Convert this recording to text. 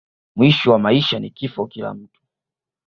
mwisho wa maisha ni kifo kila mtu